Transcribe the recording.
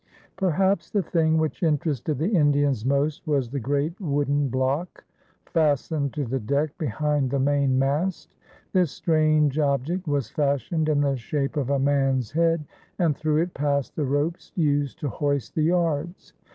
Perhaps the thing which interested the Indians most was the great wooden block fastened to the deck behind the mainmast. This strange object was fashioned in the shape of a man's head, and through it passed the ropes used to hoist the yards.